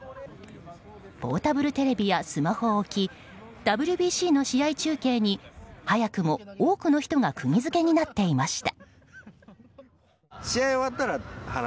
ポータブルテレビやスマホを置きＷＢＣの試合中継に早くも多くの人が釘づけになっていました。